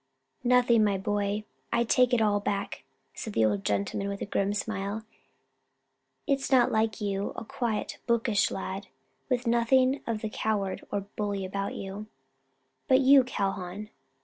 "Nothing, my boy; I take it all back," said the old gentleman, with a grim smile, "it is not like you a quiet bookish lad, with nothing of the coward or the bully about you. But you, Calhoun?"